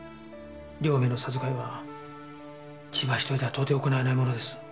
両名の殺害は千葉１人では到底行えないものです。